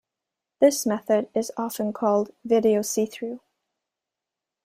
This method is often called "video see-through".